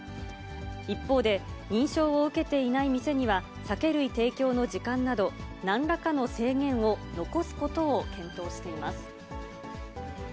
一方で、認証を受けていない店には、酒類提供の時間など、何らかの制限を残すことを検討しています。